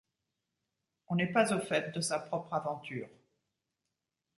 On n’est pas au fait de sa propre aventure.